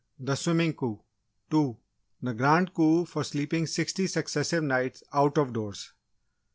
The Swimming Coup 2. The Grand Coup for sleeping sixty successive nights out of doors 3.